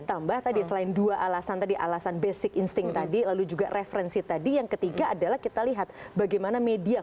ditambah tadi selain dua alasan tadi alasan basic instinct tadi lalu juga referensi tadi yang ketiga adalah kita lihat bagaimana media